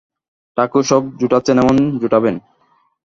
ঠাকুর সব জোটাচ্ছেন এবং জোটাবেন।